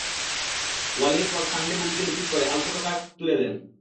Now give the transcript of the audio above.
ওয়ালির cross সানডে বুক দিয়ে রিসিভ করে আলতো টোকায় তুলে দেন।